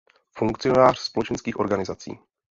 Funkcionář společenských organizací.